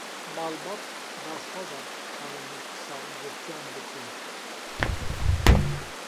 Malbat daxwaza çarenivîsa girtiyan dikin.